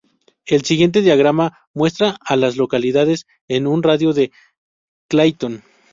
El siguiente diagrama muestra a las localidades en un radio de de Clayton.